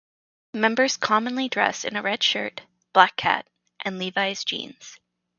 Members commonly dress in a red shirt, black hat and Levi's jeans.